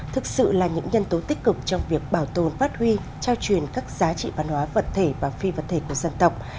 thực sự là những nhân tố tích cực trong việc bảo tồn phát huy trao truyền các giá trị văn hóa vật thể và phi vật thể của dân tộc